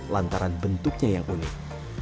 lantaran bentuknya yang unik